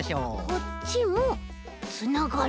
こっちもつながる。